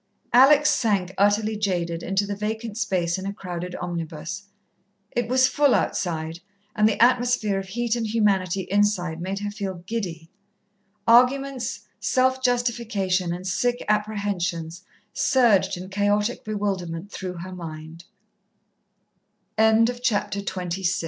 Alex sank, utterly jaded, into the vacant space in a crowded omnibus. It was full outside, and the atmosphere of heat and humanity inside made her feel giddy. Arguments, self justification and sick apprehensions, surged in chaotic bewilderment through her mind. XXVII The Embezzlement Alex, full of unreasoning pan